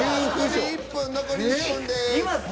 残り１分です。